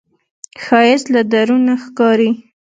ښایست له درون ښکاري